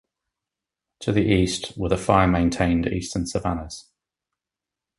To the east were the fire-maintained eastern savannas.